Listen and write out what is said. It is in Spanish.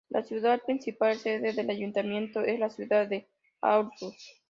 La ciudad principal y sede del ayuntamiento es la ciudad de Aarhus.